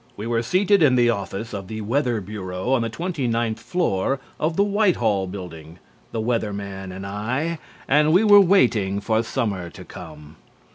We were seated in the office of the Weather Bureau on the twenty ninth floor of the Whitehall Building, the Weather Man and I, and we were waiting for summer to come.